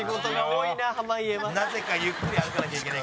「なぜかゆっくり歩かなきゃいけないから」